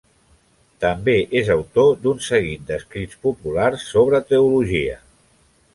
També és autor d'un seguit d'escrits populars sobre teologia.